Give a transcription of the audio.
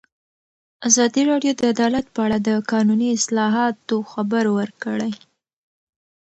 ازادي راډیو د عدالت په اړه د قانوني اصلاحاتو خبر ورکړی.